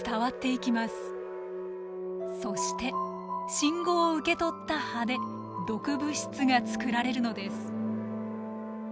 そして信号を受け取った葉で毒物質が作られるのです。